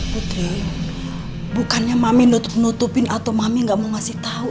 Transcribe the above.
putri bukannya mami nutupin atau mami gak mau ngasih tahu